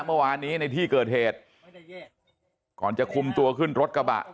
เมื่อวานนี้ในที่เกิดเหตุก่อนจะคุมตัวขึ้นรถกระบะ